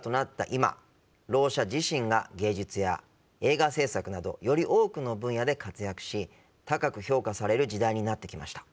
今ろう者自身が芸術や映画制作などより多くの分野で活躍し高く評価される時代になってきました。